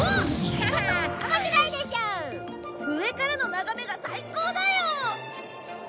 上からの眺めが最高だよ。